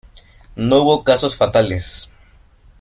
No hubo casos fatales.